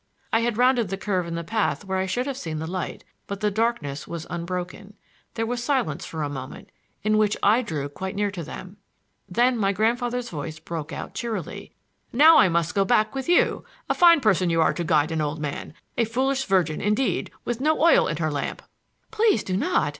I had rounded the curve in the path where I should have seen the light; but the darkness was unbroken. There was silence for a moment, in which I drew quite near to them. Then my grandfather's voice broke out cheerily. "Now I must go back with you! A fine person you are to guide an old man! A foolish virgin, indeed, with no oil in her lamp!" "Please do not!